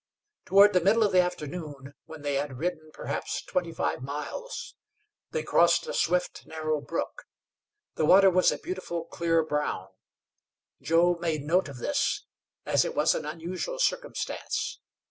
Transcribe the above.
Toward the middle of the afternoon, when they had ridden perhaps twenty five miles, they crossed a swift, narrow brook. The water was a beautiful clear brown. Joe made note of this, as it was an unusual circumstance.